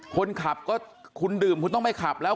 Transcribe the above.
คนขับก็คุณดื่มคุณต้องไม่ขับแล้ว